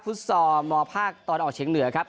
ฟุตซอร์มภาคตอนออกเฉียงเหนือครับ